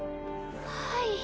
はい。